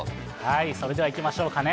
それではいきましょうかね。